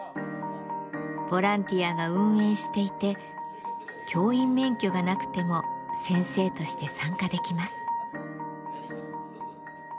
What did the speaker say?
ボランティアが運営していて教員免許がなくても先生として参加できます。